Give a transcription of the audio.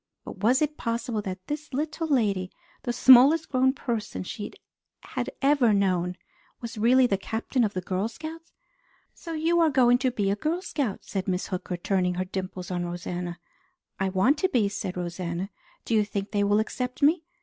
But was it possible that this little lady, the smallest grown person she had ever known, was really the Captain of the Girl Scouts? "So you are going to be a Girl Scout?" said Miss Hooker, turning her dimples on Rosanna. "I want to be," said Rosanna. "Do you think they will accept me?"